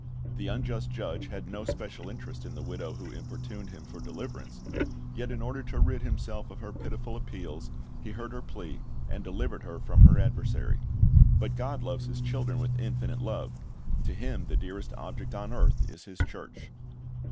The unjust judge had no special interest in the widow who importuned him for deliverance; yet in order to rid himself of her pitiful appeals, he heard her plea, and delivered her from her adversary. But God loves His children with infinite love. To Him the dearest object on earth is His church.